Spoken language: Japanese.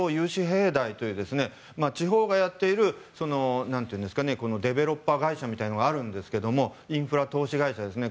地方がやっているディベロッパー会社みたいなのがあるんですがインフラ投資会社ですね